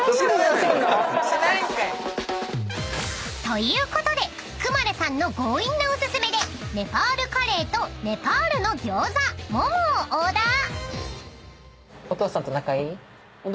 ［ということでクマルさんの強引なお薦めでネパールカレーとネパールの餃子モモをオーダー］